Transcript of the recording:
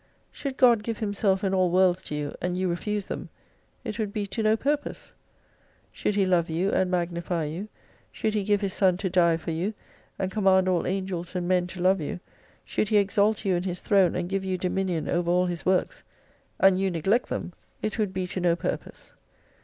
Should God give Himself and all worlds to you, and you refuse them, it would be to no purpose. Should He love you and magnify you^ should He give His Son to die for you, and command all Angels and Men to love you, should He exalt you in His Throne, and give you dominion over all His works, and you neglect them it would be to no purpose.